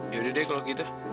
yaudah deh kalau gitu